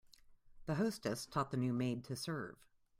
The hostess taught the new maid to serve.